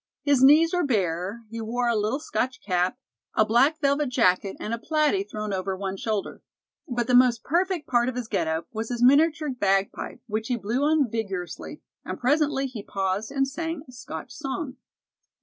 His knees were bare, he wore a little Scotch cap, a black velvet jacket and a plaidie thrown over one shoulder. But the most perfect part of his get up was his miniature bagpipe, which he blew on vigorously, and presently he paused and sang a Scotch song.